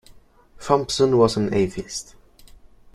Thompson was an atheist.